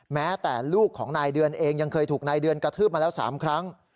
แม้แต่ลูกของนายเดือนเองยังเคยถูกนายเดือนกระทืบมาแล้ว๓ครั้ง